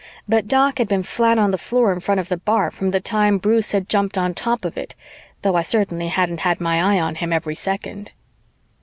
But Doc had been flat on the floor in front of the bar from the time Bruce had jumped on top of it, though I certainly hadn't had my eye on him every second.